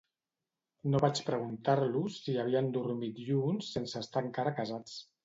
No vaig preguntar-los si havien dormit junts sense estar encara casats.